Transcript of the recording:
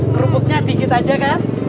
kerupuknya dikit aja kan